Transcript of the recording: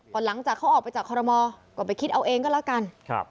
พอหลังจากเขาออกไปจากคอรมอก็ไปคิดเอาเองก็แล้วกัน